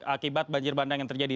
akibat banjir bandang yang terjadi